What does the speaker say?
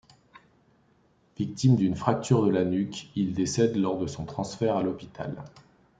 Victime d'une fracture de la nuque, il décède lors de son transfert à l'hôpital.